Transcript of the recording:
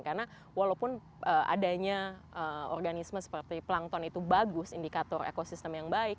karena walaupun adanya organisme seperti plankton itu bagus indikator ekosistem yang baik